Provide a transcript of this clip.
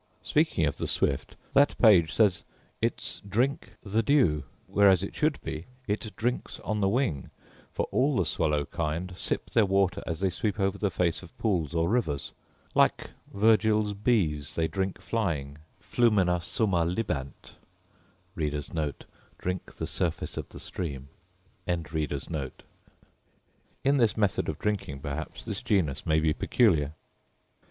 Speaking of the swift, that page says 'its drink the dew'; whereas it should be 'it drinks on the wing'; for all the swallow kind sip their water as they sweep over the face of pools or rivers: like Virgil's bees, they drink flying, 'flumina summa libant.' In this method of drinking perhaps this genus may be peculiar.